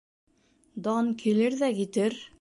Дан килер ҙә китер